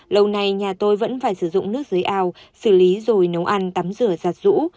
lâu nay nhà tôi vẫn phải sử dụng nước dưới ao xử lý rồi nấu ăn tắm rửa giặt rũ